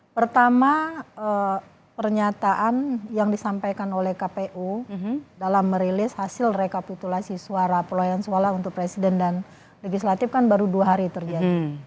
pertama pernyataan yang disampaikan oleh kpu dalam merilis hasil rekapitulasi suara pelayan suara untuk presiden dan legislatif kan baru dua hari terjadi